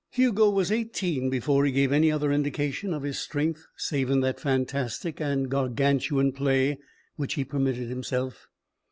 Hugo was eighteen before he gave any other indication of his strength save in that fantastic and Gargantuan play which he permitted himself.